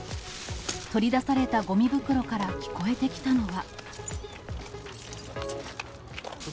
取り出されたごみ袋から聞こえてきたのは。